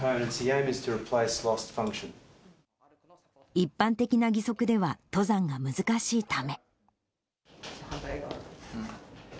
一般的な義足では登山が難しいため。